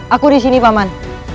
aku di sini paman